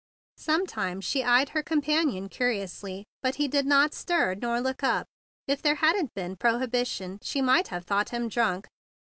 Sometimes she eyed her companion curiously, but he did not stir nor look up. If there hadn't been prohibition, she might have thought him drunk.